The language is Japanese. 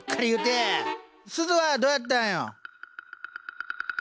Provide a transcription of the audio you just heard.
すずはどうやったんよ？